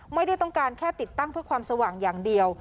ไม่ได้ต้องการแค่ติดตั้งเพื่อความสว่างอย่างเดียว